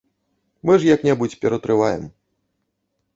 Мы ж як-небудзь ператрываем.